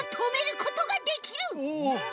お！